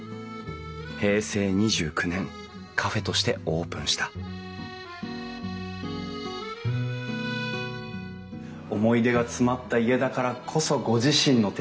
平成２９年カフェとしてオープンした思い出が詰まった家だからこそご自身の手で。